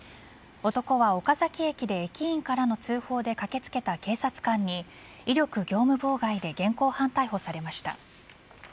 男は岡崎駅で駅員からの通報で駆けつけた警察官に威力業務妨害で現行犯逮捕されました。